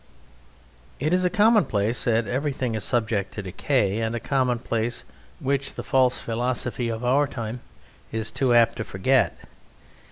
It is a commonplace that everything is subject to decay, and a commonplace which the false philosophy of our time is too apt to forget.